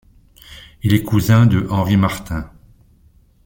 Il est cousin de Henri Martin.